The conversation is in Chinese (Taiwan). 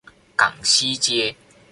港西街